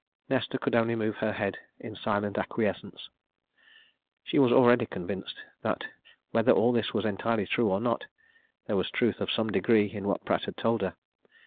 Nesta could only move her head in silent acquiescence. She was already convinced, that whether all this was entirely true or not, there was truth of some degree in what Pratt had told her.